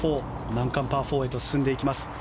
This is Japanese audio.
難関パー４へ進んでいきます。